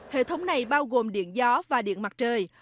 hệ thống này bao gồm điện gió và điện mặt trời